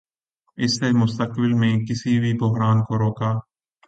اس سے مستقبل میں کسی بھی بحران کو روکا